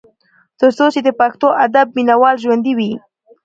تر څو چې د پښتو ادب مينه وال ژوندي وي ۔